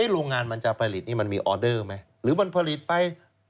โรงงานมันจะผลิตนี่มันมีออเดอร์ไหมหรือมันผลิตไป